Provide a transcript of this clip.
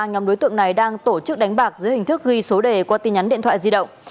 nhóm đối tượng này đang tổ chức đánh bạc dưới hình thức ghi số đề qua tin nhắn điện thoại di động